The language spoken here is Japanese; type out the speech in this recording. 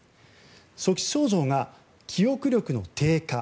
初期症状が、記憶力の低下